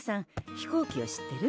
飛行機を知ってる？